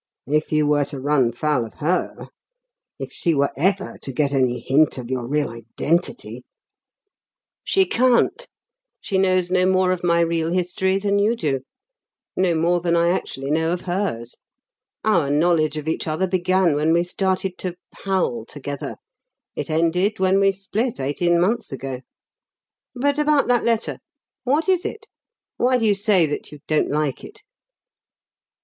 If you were to run foul of her if she were ever to get any hint of your real identity " "She can't. She knows no more of my real history than you do; no more than I actually know of hers. Our knowledge of each other began when we started to 'pal' together it ended when we split, eighteen months ago. But about that letter? What is it? Why do you say that you don't like it?"